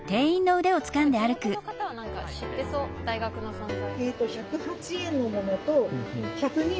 でも地元の方は何か知ってそう大学の存在。